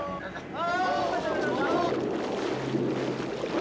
あ！